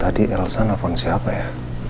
adik elsa nelfon siapa ya